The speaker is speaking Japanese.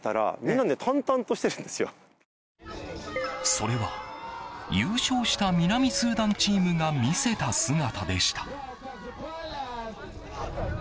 それは優勝した南スーダンチームが見せた姿でした。